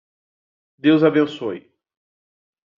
Deus abençoe